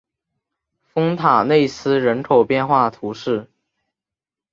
丰塔内斯人口变化图示